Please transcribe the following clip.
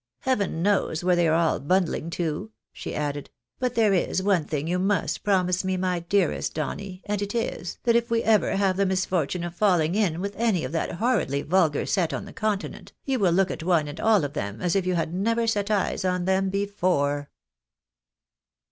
" Heaven knows where they are all bundhng to," she added, " but there is one thing you must promise me, my dearest Donny, and it is, that if we ever have the misfortune of falling in with any of that horridly vulgar set on the Continent, you will look at one and all of them as if you had never set eyes on them before."